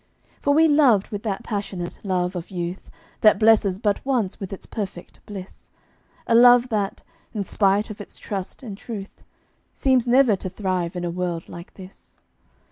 For we loved with that passionate love of youth That blesses but once with its perfect bliss A love that, in spite of its trust and truth, Seems never to thrive in a world like this.